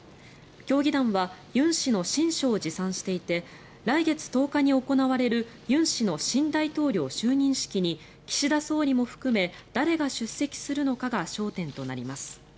協議団は尹氏の親書を持参していて来月１０日に行われる尹氏の新大統領就任式に岸田総理も含め誰が出席するのかが焦点となります。